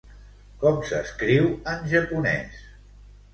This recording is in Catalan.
Com s'escriu en japonès?